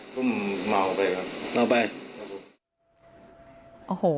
ผมเมาไปครับ